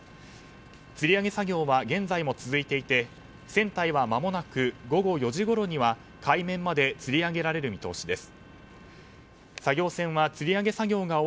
つり上げ作業は現在も続いていて船体はまもなく午後４時ごろには海面までつり上げられる見通しです。